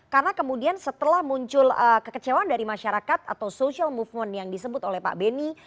karena kemudian setelah muncul kekecewaan dari masyarakat atau social movement yang disebut oleh pak beni